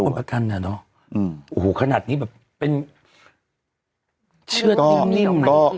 ไม่ควรประกันเนี่ยเนาะโอ้โหขนาดนี้แบบเป็นเชื่อติ้มนิ่มของมันอีกคน